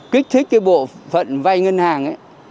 kích thích cái bộ phận vay ngân hàng ấy